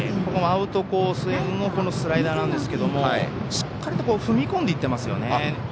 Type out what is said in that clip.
アウトコースへのスライダーなんですけどもしっかりと踏み込んでいっていますよね。